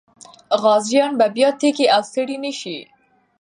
غازيان به بیا تږي او ستړي نه سي.